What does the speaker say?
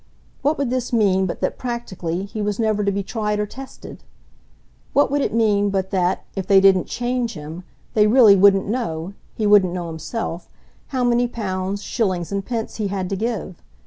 What would this mean but that, practically, he was never to be tried or tested? What would it mean but that, if they didn't "change" him, they really wouldn't know he wouldn't know himself how many pounds, shillings and pence he had to give?